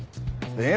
えっ？